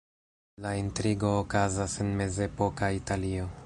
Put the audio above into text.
La intrigo okazas en mezepoka Italio.